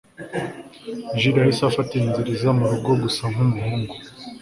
Jule yahise afata inzira iza murugo gusa nkumuhungu